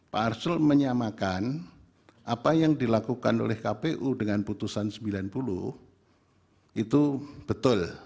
pak arsul menyamakan apa yang dilakukan oleh kpu dengan putusan sembilan puluh itu betul